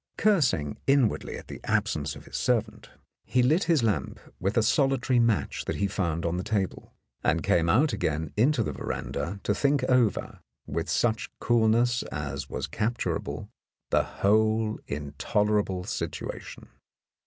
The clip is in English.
Cursing inwardly at the absence of his servant, he lit his In the Dark lamp with a solitary match that he found on the table, and came out again into the veranda to think over, with such coolness as was capturable, the whole in tolerable situation.